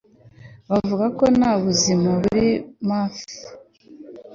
Bavuga ko nta buzima kuri Mars